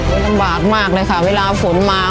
มันลำบากมากเลยค่ะเวลาฝนมา